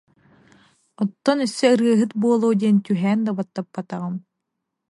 Оттон өссө ырыаһыт буолуо диэн түһээн да баттаппатаҕым